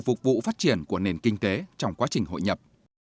phục vụ phát triển của nền kinh tế trong quá trình hội nhập